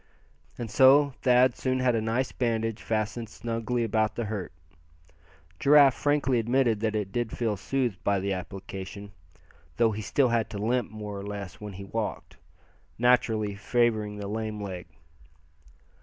And so Thad soon had a nice bandage fastened snugly about the hurt. Giraffe frankly admitted that it did feel soothed by the application, though he still had to limp more or less when he walked, naturally favoring the lame leg.